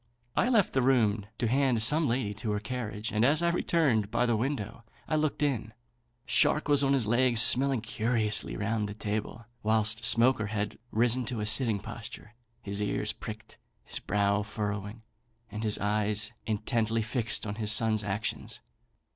I left the room to hand some lady to her carriage, and as I returned by the window, I looked in. Shark was on his legs, smelling curiously round the table; whilst Smoaker had risen to a sitting posture, his ears pricked, his brow frowning, and his eyes intently fixed on his son's actions.